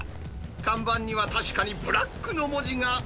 看板には確かにブラックの文字が。